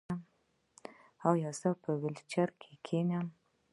ایا زه به په ویلچیر کینم؟